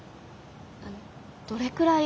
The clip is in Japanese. あのどれくらい。